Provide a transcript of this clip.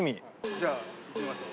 じゃあ行きましょう。